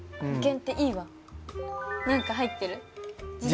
何か入ってる？